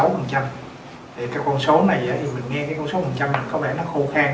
thì cái con số này thì mình nghe cái con số một trăm linh có vẻ nó khô khen